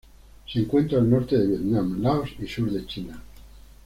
Se encuentra al norte de Vietnam, Laos y sur de China.